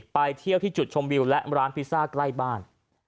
ไปเที่ยวที่จุดชมวิวและร้านพิซซ่าใกล้บ้าน